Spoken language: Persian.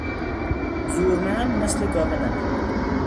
زورمند مثل گاو نر